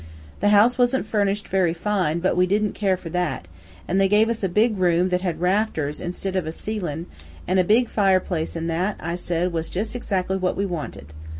The house wasn't furnished very fine, but we didn't care for that, an' they gave us a big room that had rafters instid of a ceilin', an' a big fire place, an' that, I said, was jus' exac'ly what we wanted.